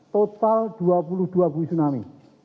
total dua puluh dua bui tsunami